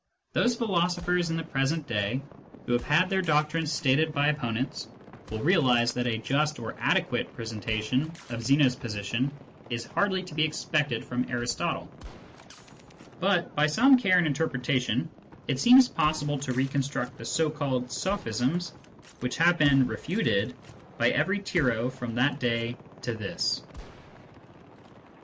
Those philosophers in the present day who have had their doctrines stated by opponents will realise that a just or adequate presentation of Zeno's position is hardly to be expected from Aristotle ; but by some care in inter pretation it seems possible to reconstruct the so called " sophisms " which have been " refuted " by every tyro from that day to this.